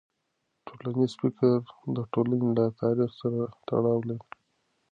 ټولنیز فکر د ټولنې له تاریخ سره تړاو لري.